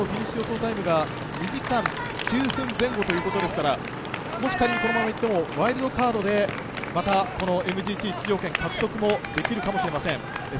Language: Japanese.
タイムが２時間９分前後ということですから、仮にこのまま行ってもワイルドカードでＭＧＣ出場権獲得もできるかもしれません。